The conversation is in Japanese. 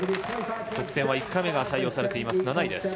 得点は１回目が採用され、７位。